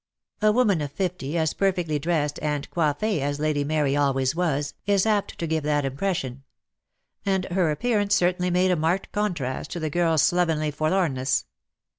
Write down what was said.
A woman of fifty, as perfectly dressed and coiffe'e as Lady Mary always was, is apt to give that impression; and her appearance certainly made a marked contrast to the girl's slovenly forlorn ness.